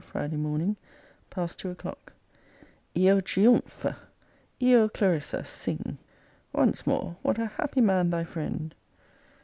FRIDAY MORNING, PAST TWO O'CLOCK. Io Triumphe! Io Clarissa, sing! Once more, what a happy man thy friend!